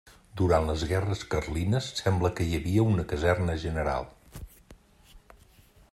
Durant les guerres carlines sembla que hi havia una Caserna General.